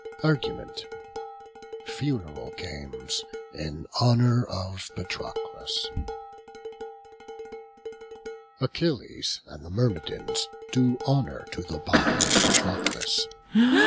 ARGUMENT. FUNERAL GAMES IN HONOUR OF PATROCLUS. Achilles and the Myrmidons do honour to the body of Patroclus.